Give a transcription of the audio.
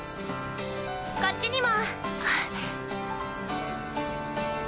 こっちにも！